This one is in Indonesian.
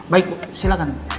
baik bu silahkan